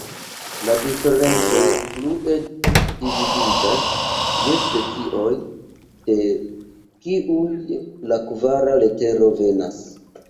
La Diferencoj plue dividiĝas je "Specioj", de kiuj la kvara letero venas.